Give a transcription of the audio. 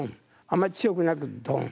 あんまり強くなく「ドン」。